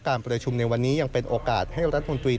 การประชุมในวันนี้ยังเป็นโอกาสให้รัฐมนตรี